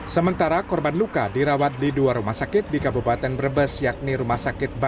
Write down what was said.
sementara korban luka dirawat di dua rumah sakit di kabupaten brebes yakni rumah sakit bayangkara